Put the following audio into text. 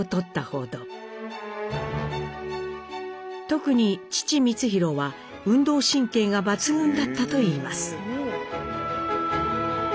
特に父光宏は運動神経が抜群だったといいます。